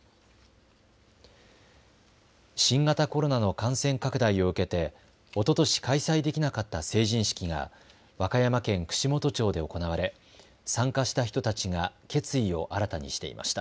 新型コロナの感染拡大を受けておととし開催できなかった成人式が和歌山県串本町で行われ参加した人たちが決意を新たにしていました。